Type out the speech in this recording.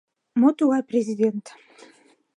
— Могай-тугай президент?